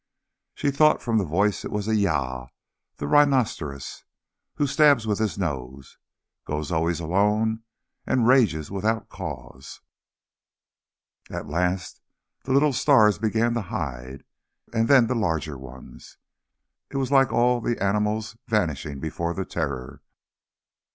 But she thought from the voice it was Yaaa the rhinoceros, who stabs with his nose, goes always alone, and rages without cause. At last the little stars began to hide, and then the larger ones. It was like all the animals vanishing before the Terror.